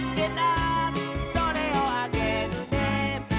「それをあげるね」